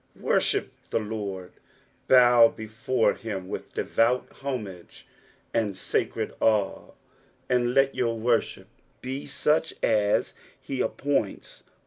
" Wor*hip tht Lord," bow before him with devout liomnge itnd Hacred awe, and let your worship be such as h* appointa.